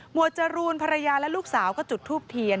วดจรูนภรรยาและลูกสาวก็จุดทูบเทียน